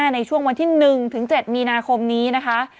ในช่วงวันที่๑๗มีนาคมนี้นะคะ